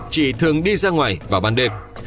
chỉ thường đi ra ngoài vào ban đêm